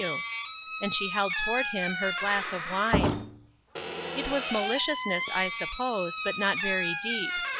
»> you." And she held toward him her glass of wine. It was maliciousness, I suppose, but not very deep.